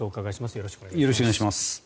よろしくお願いします。